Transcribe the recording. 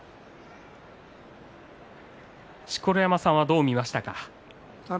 錣山さんはどう見ましたか。